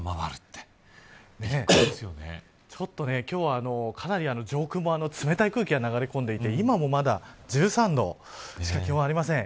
ちょっと今日はかなり上空も冷たい空気が流れ込んでいて今も、まだ１３度しか気温がありません。